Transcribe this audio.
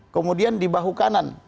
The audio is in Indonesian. kemudian di bahu kanan